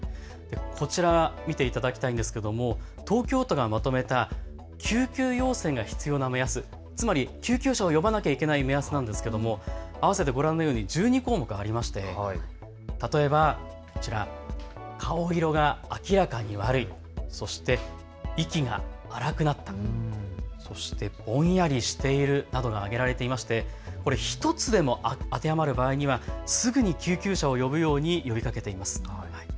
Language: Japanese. こちらを見ていただきたいんですが、東京都がまとめた救急要請が必要な目安、つまり救急車を呼ばなければいけない目安なんですが、ご覧のように１２項目ありまして例えばこちら、顔色が明らかに悪い、そして、息が荒くなった、そして、ぼんやりしているなどが挙げられまして１つでも当てはまる場合にはすぐに救急車を呼ぶように呼びかけています。